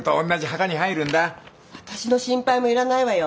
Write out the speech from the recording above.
私の心配もいらないわよ。